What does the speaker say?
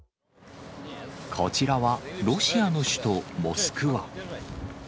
こちらは、ロシアの首都モスクワ。